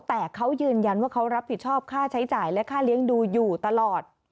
แต่เขายืนยันว่าเขารับผิดชอบค่าใช้จ่ายและค่าเลี้ยงดูอยู่ตลอด